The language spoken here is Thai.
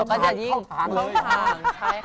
ก็จะยิ่งเข้าทาง